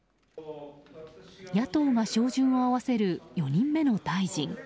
野党が照準を合わせる４人目の大臣。